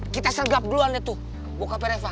kita sergap duluan deh tuh bokapnya reva